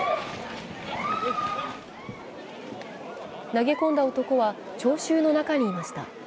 投げ込んだ男は聴衆の中にいました。